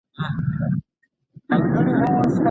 الله تعالی د انسان له خرڅوونکي ناراضه دی.